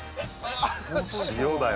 塩だよ